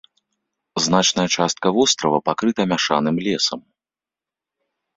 Значная частка вострава пакрыта мяшаным лесам.